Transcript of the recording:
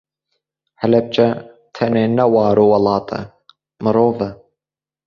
Helepçe tenê ne war û welat e, mirov e.